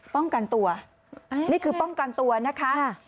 ป้องกันตัวนี่คือป้องกันตัวนะคะ